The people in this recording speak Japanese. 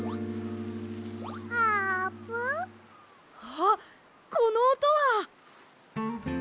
あっこのおとは！